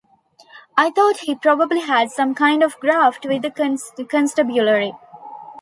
I thought he probably had some kind of graft with the constabulary.